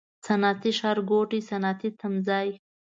صنعتي ښارګوټی، صنعتي تمځای